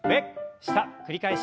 下繰り返し。